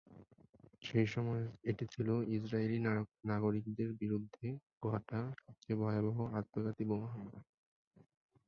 সেই সময়ে, এটি ছিল ইসরায়েলি নাগরিকদের বিরুদ্ধে ঘটা সবচেয়ে ভয়াবহ আত্মঘাতী বোমা হামলা।